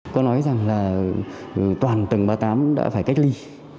có nói rằng là toàn tầng ba mươi tám đã phải cách ly